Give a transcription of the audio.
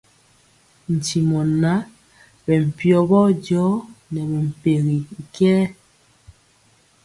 Ntimɔ ŋan, bɛ mpiɔ bɔjɔ nɛ mɛmpɛgi y kɛɛ.